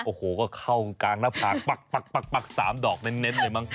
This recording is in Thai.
โอ้โหก็เข้ากลางหน้าผากปัก๓ดอกเน้นเลยมั้ง